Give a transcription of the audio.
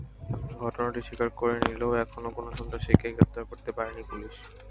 ঘটনাটি স্বীকার করে নিলেও এখনো কোনো সন্ত্রাসীকে গ্রেপ্তার করতে পারেনি পুলিশ।